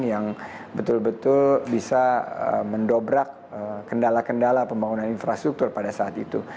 yang betul betul bisa mendobrak kendala kendala pembangunan infrastruktur pada saat itu